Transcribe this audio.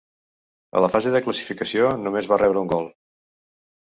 A la fase de classificació només va rebre un gol.